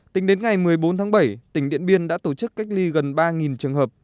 tính đến ngày một mươi bốn tháng bảy tỉnh điện biên đã tổ chức cách ly gần ba trường hợp